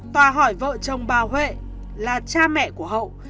tòa hỏi vợ chồng bà huệ là cha mẹ của hậu